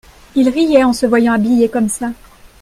Il riait en se voyant habillé comme ça.